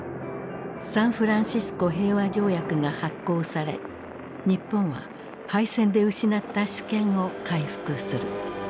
サンフランシスコ平和条約が発効され日本は敗戦で失った主権を回復する。